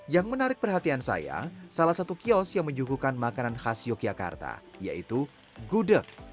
yang menarik perhatian saya salah satu kios yang menyuguhkan makanan khas yogyakarta yaitu gudeg